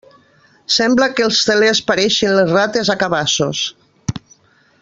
Sembla que els telers pareixen les rates a cabassos.